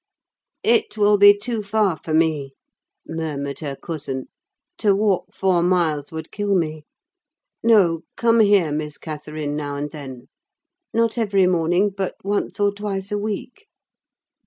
"It will be too far for me," murmured her cousin: "to walk four miles would kill me. No, come here, Miss Catherine, now and then: not every morning, but once or twice a week."